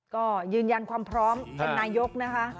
ก็ยืนยันความพร้อมเป็นนายกนะคะ